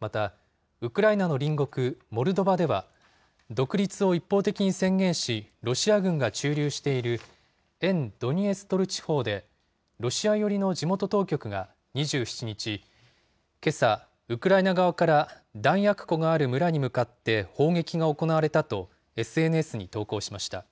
また、ウクライナの隣国モルドバでは、独立を一方的に宣言し、ロシア軍が駐留している沿ドニエストル地方で、ロシア寄りの地元当局が２７日、けさ、ウクライナ側から弾薬庫がある村に向かって砲撃が行われたと、ＳＮＳに投稿しました。